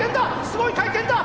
すごい回転だ！